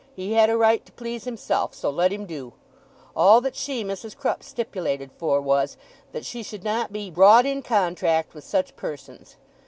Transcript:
He had a right to please himself; so let him do. All that she, Mrs. Crupp, stipulated for, was, that she should not be 'brought in contract' with such persons.